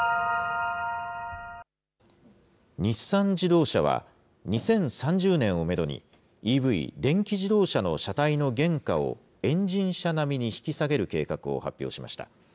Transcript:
日産自動車は、２０３０年をメドに、ＥＶ・電気自動車の車体の原価をエンジン車並みに引き下げる計画を発表しました。